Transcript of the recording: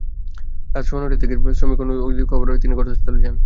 রাত সোয়া নয়টার দিকে শ্রমিক অগ্নিদগ্ধ হওয়ার খবর পেয়ে তিনি ঘটনাস্থলে যান।